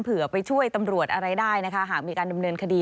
ไปช่วยตำรวจอะไรได้นะคะหากมีการดำเนินคดี